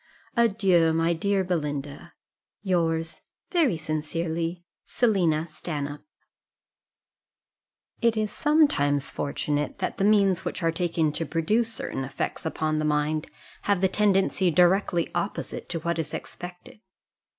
"Adieu, my dear Belinda, "Yours, very sincerely, "SELINA STANHOPE." It is sometimes fortunate, that the means which are taken to produce certain effects upon the mind have a tendency directly opposite to what is expected.